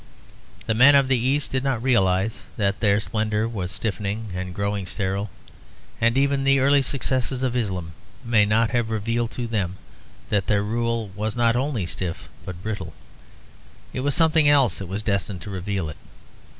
The men of the East did not realise that their splendour was stiffening and growing sterile, and even the early successes of Islam may not have revealed to them that their rule was not only stiff but brittle. It was something else that was destined to reveal it.